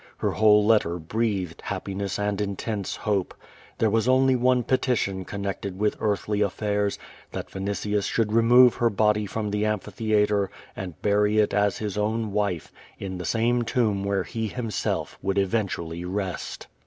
Her whole letter breathed happiness and intense hope. There was only one petition connected with earthly affairs — that Yinitius aliould remove her body from the amphitheatre and bury it as his own wife, in the same tomb where he him self would eventually rest.